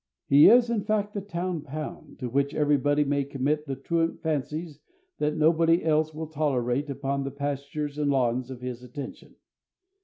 He is, in fact, the town pound, to which everybody may commit the truant fancies that nobody else will tolerate upon the pastures and lawns of his attention.